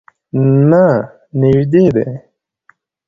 نه، نژدې دی